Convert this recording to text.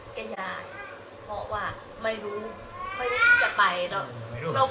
แกอยากเพราะว่าไม่รู้ไม่รู้ว่าจะไปหรอก